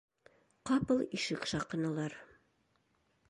Ҡапыл ишек шаҡынылар.